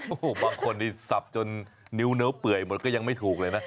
โอ้โหบางคนนี่สับจนนิ้วเนื้อเปื่อยหมดก็ยังไม่ถูกเลยนะ